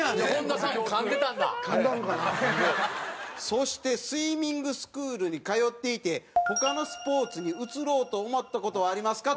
そして「スイミングスクールに通っていて他のスポーツに移ろうと思った事はありますか？」と。